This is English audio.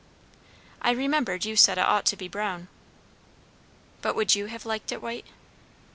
"I remembered you said it ought to be brown." "But would you have liked it white?"